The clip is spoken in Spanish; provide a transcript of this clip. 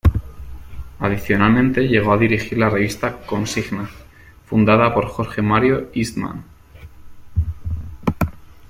Adicionalmente, llegó a dirigir la revista "Consigna," fundada por Jorge Mario Eastman.